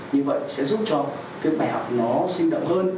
như vậy sẽ giúp cho cái bài học nó sinh động hơn